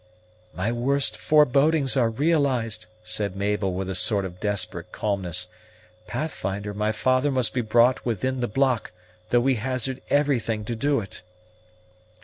"My worst forebodings are realized!" said Mabel with a sort of desperate calmness. "Pathfinder, my father must be brought within the block, though we hazard everything to do it."